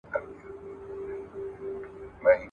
ډول ئې د ډولزن په لاس ورکړى.